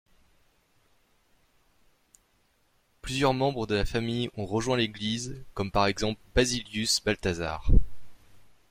Plusieurs membres de la famille ont rejoint l'Église, comme par exemple Basilius Balthasar.